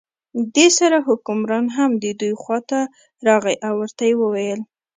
دې سره حکمران هم د دوی خواته راغی او ورته یې وویل.